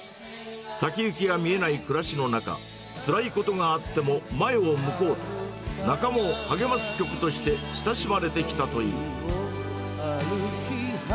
先行きが見えない暮らしの中、つらいことがあっても前を向こうと、仲間を励ます曲として親しまれてきたという。